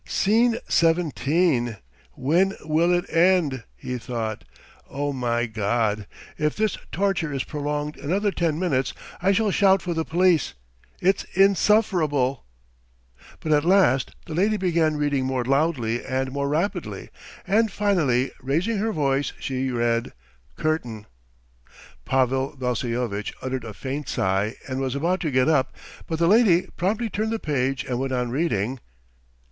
"Scene seventeen! When will it end?" he thought. "Oh, my God! If this torture is prolonged another ten minutes I shall shout for the police. It's insufferable." But at last the lady began reading more loudly and more rapidly, and finally raising her voice she read "Curtain." Pavel Vassilyevitch uttered a faint sigh and was about to get up, but the lady promptly turned the page and went on reading.